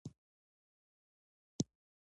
بانکونه د خصوصي سکتور په وده کې رول لري.